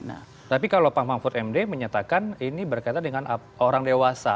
nah tapi kalau pak mahfud md menyatakan ini berkaitan dengan orang dewasa